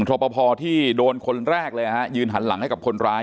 รอปภที่โดนคนแรกเลยฮะยืนหันหลังให้กับคนร้าย